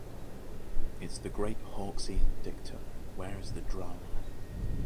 It's the great Hawksian dictum, where is the drama?